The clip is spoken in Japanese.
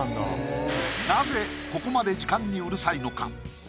なぜここまで時間にうるさいのか？